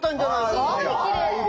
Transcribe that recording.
すごいきれい。